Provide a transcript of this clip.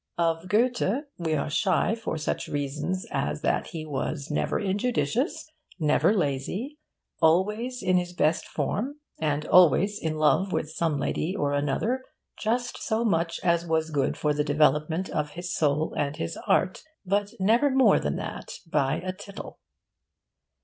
Of Goethe we are shy for such reasons as that he was never injudicious, never lazy, always in his best form and always in love with some lady or another just so much as was good for the development of his soul and his art, but never more than that by a tittle.